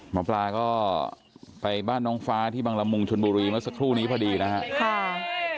หมอปลาก็ไปบ้านน้องฟ้าที่บังละมุงชนบุรีเมื่อสักครู่นี้พอดีนะครับ